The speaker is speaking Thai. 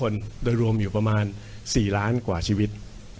๖ล้านกว่าชีวิต